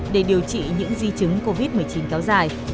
để điều trị những di chứng covid một mươi chín kéo dài